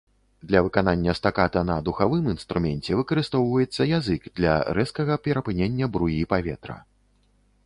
Для выканання стаката на духавым інструменце выкарыстоўваецца язык для рэзкага перапынення бруі паветра.